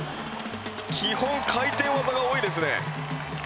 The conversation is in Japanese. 基本回転技が多いですね